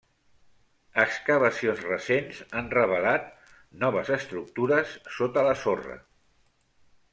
Excavacions recents han revelat noves estructures sota la sorra.